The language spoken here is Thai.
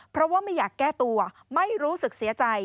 เพราะว่าไม่อยากแก้ตัวไม่รู้สึกเสียใจ